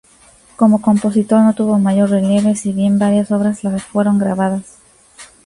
Como compositor no tuvo mayor relieve, si bien varias obras le fueron grabadas.